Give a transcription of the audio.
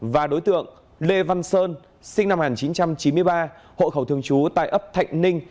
và đối tượng lê văn sơn sinh năm một nghìn chín trăm chín mươi ba hộ khẩu thường trú tại ấp thạnh ninh